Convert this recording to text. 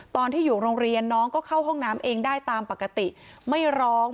ตอนที่อยู่โรงเรียนน้องก็เข้าห้องน้ำเองได้ตามปกติไม่ร้อง